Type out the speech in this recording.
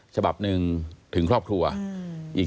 ใช่ไหม